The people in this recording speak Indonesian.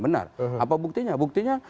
benar apa buktinya buktinya